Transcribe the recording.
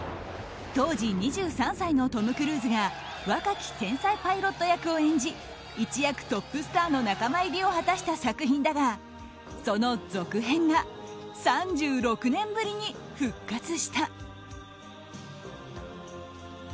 当時２３歳のトム・クルーズが若き天才パイロット役を演じ一躍トップスターの仲間入りを果たした作品だがその続編が３６年ぶりに復活した。